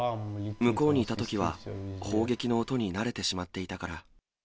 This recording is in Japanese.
向こうにいたときは、砲撃の音に慣れてしまっていたから。